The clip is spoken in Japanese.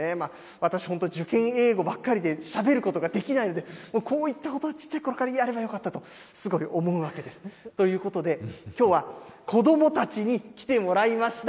私、本当、受験英語ばっかりで、しゃべることができないので、もう、こういったことを、ちっちゃいころからやればよかったと、すごい思うわけですね。ということで、きょうは、子どもたちに来てもらいました。